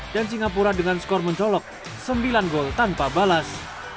dan singapura dengan skor mencolok sembilan gol tanpa balas